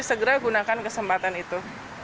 segera gunakan kesempatan itu